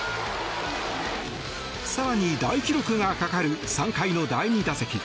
更に、大記録がかかる３回の第２打席。